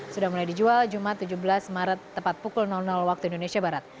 sudah mulai dijual jumat tujuh belas maret tepat pukul waktu indonesia barat